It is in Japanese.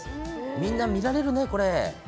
みんな見られるね、これ。